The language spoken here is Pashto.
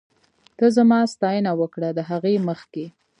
ته زما ستاينه وکړه ، د هغې مخکې